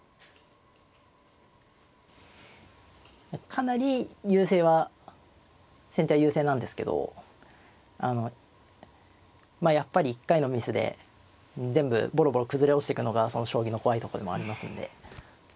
かなり優勢は先手は優勢なんですけどまあやっぱり一回のミスで全部ボロボロ崩れ落ちてくのが将棋の怖いとこでもありますんで。